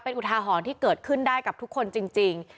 อุทาหรณ์ที่เกิดขึ้นได้กับทุกคนจริง